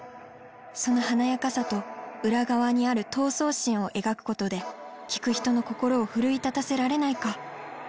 その華やかさと裏側にある闘争心を描くことで聴く人の心を奮い立たせられないか。